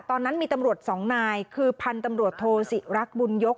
ตอนนั้นมีตำรวจสองนายคือพันธุ์ตำรวจโทศิรักษ์บุญยก